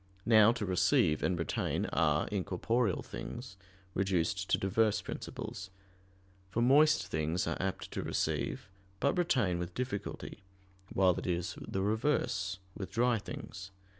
Now to receive and retain are, in corporeal things, reduced to diverse principles; for moist things are apt to receive, but retain with difficulty, while it is the reverse with dry things.